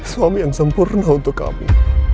suami yang sempurna untuk kami